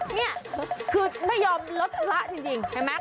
นี่คือไม่ยอมลดละจริงเห็นไหม